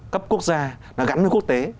cấp quốc gia gắn với quốc tế